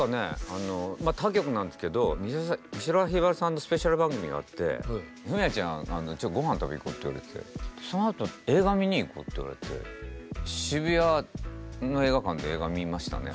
他局なんですけど美空ひばりさんのスペシャル番組があって「フミヤちゃんごはん食べに行こう」って言われてそのあと「映画見に行こう」って言われて渋谷の映画館で映画見ましたね。